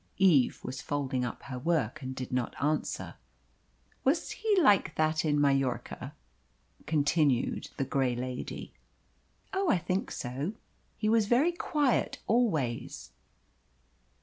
Eve was folding up her work, and did not answer. "Was he like that in Mallorca?" continued the grey lady. "Oh I think so. He was very quiet always."